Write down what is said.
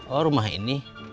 oh rumah ini